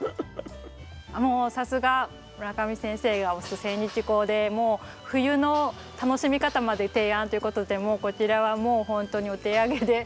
もうさすが村上先生が推すセンニチコウで冬の楽しみ方まで提案ということでもうこちらはほんとにお手上げで。